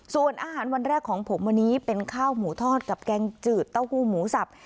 ส่วนอาหารวันแรกของผมวันนี้เป็นข้าวหมูทอดกับแกงจืดเต้าหู้หมูสับ